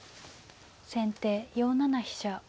先手４七飛車。